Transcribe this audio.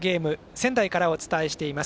仙台からお伝えしています。